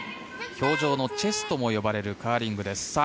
氷上のチェスとも呼ばれるカーリングです。